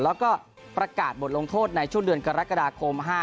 แล้วก็ประกาศบทลงโทษในช่วงเดือนกรกฎาคม๕๖